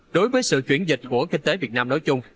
đối với sự chuyển dịch của kinh tế việt nam nói chung